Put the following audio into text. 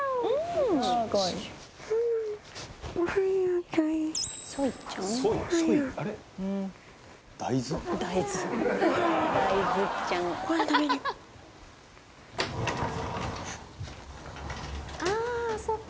藤本：ああ、そっか。